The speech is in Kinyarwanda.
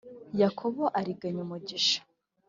yakobo ariganya umugisha